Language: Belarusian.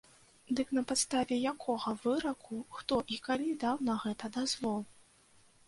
Дык на падставе якога выраку, хто і калі даў на гэта дазвол?